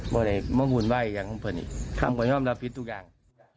โบสถ์ในมงวลว่าอีกแล้วคำกวนย่อมรับผิดทุกอย่าง